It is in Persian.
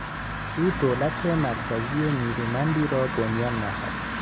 او دولت مرکزی نیرومندی را بنیان نهاد.